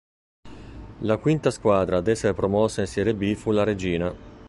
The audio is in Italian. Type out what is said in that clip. La quinta squadra ad essere promossa in Serie B fu la Reggina.